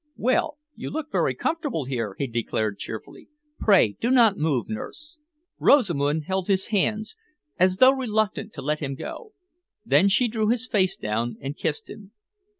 "Well, you look very comfortable here," he declared cheerfully. "Pray do not move, nurse." Rosamund held his hands, as though reluctant to let him go. Then she drew his face down and kissed him.